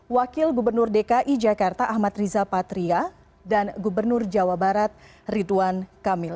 wakil gubernur dki jakarta ahmad riza patria dan gubernur jawa barat ridwan kamil